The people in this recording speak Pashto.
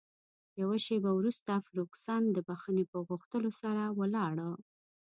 یوه شیبه وروسته فرګوسن د بښنې په غوښتلو سره ولاړه.